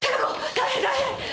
大変大変。